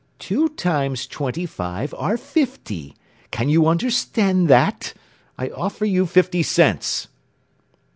Two times twenty five are fifty! Can you understand that? I offer you fifty cents.